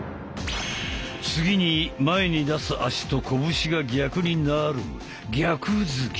次に前に出す足と拳が逆になる逆突き。